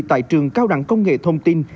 tại trường cao đẳng công nghệ thông tin